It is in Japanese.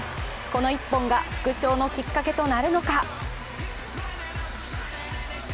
この１本が復調のきっかけとなるのか。